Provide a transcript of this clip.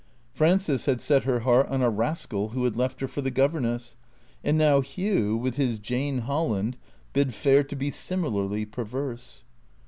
Frances had set her heart on a rascal who had left her for the governess. And now Hugh, with his Jane Holland, bid fair to be similarly perverse.